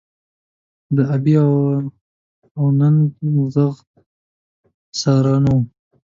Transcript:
د بې آب او ننګ زاغ سارانو څخه.